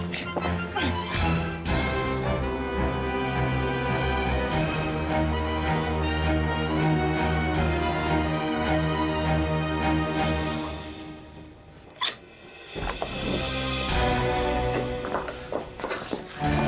ya sudah ini dia yang nangis